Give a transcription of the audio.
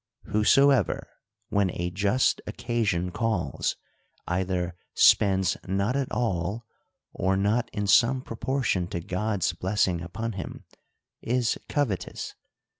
Whoso ever, when a just occasion calls, either spends not at all, or not in some proportion to God's blessing upon him, is covetous.